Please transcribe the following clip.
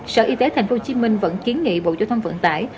sở y tế thành phố hồ chí minh vẫn kiến nghị bộ chủ tâm vận tải